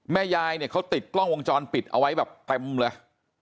ยายเนี่ยเขาติดกล้องวงจรปิดเอาไว้แบบเต็มเลย